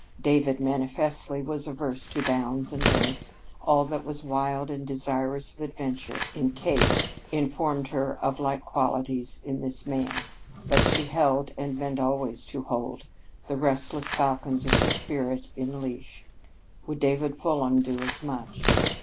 David manifestly was averse to bounds and limits. All that was wild and desirous of adventure, in Kate informed her of like qualities in this man. But she held and meant always to hold the restless falcons of her spirit in leash. Would David Fulham do as much?